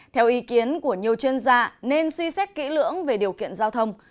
theo ý kiến của nhiều chuyên gia nên suy xét kỹ lưỡng về điều kiện giao thông